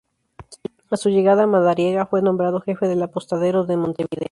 A su llegada Madariaga fue nombrado jefe del Apostadero de Montevideo.